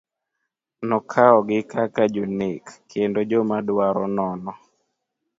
Nokawogi kaka jonek kendo jomadwaro nono.